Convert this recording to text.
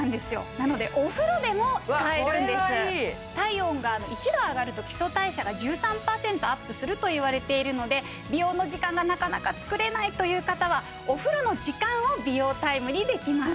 なのでお風呂でも使えるんですこれはいい体温が１度上がると基礎代謝が１３％アップするといわれているので美容の時間がなかなか作れないという方はお風呂の時間を美容タイムにできます